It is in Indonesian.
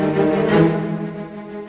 udah gak usah